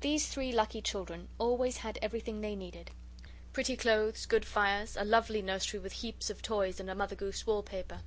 These three lucky children always had everything they needed: pretty clothes, good fires, a lovely nursery with heaps of toys, and a Mother Goose wall paper.